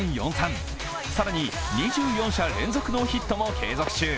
更に２４者連続ノーヒットも継続中。